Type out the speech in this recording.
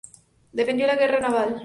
Defendió la guerra naval.